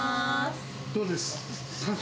どうです？